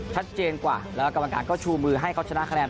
ชัดเจนกว่าแล้วกรรมการก็ชูมือให้เขาชนะคะแนน